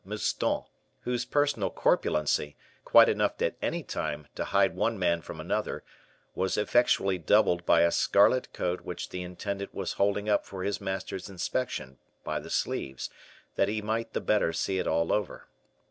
Mouston, whose personal corpulency, quite enough at any time to hide one man from another, was effectually doubled by a scarlet coat which the intendant was holding up for his master's inspection, by the sleeves, that he might the better see it all over.